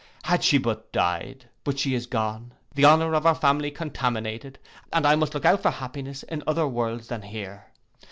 Had she but died! But she is gone, the honour of our family contaminated, and I must look out for happiness in other worlds than here.